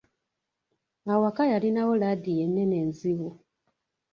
Awaka yalinawo laadiyo ennene enzibu.